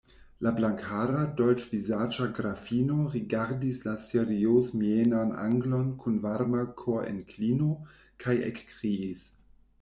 La blankhara, dolĉvizaĝa grafino rigardis la seriozmienan anglon kun varma korinklino kaj ekkriis: